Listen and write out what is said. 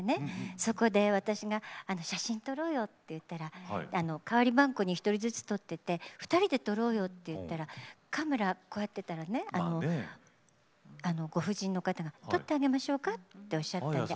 そこで、私が写真撮ろうよって言ったら代わりばんこに１人ずつ撮ってて２人で撮ろうよってカメラ、こうやってたらご婦人が「撮ってあげましょうか」っておっしゃって。